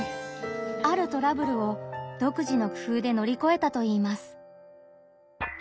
あるトラブルを独自の工夫でのりこえたといいます。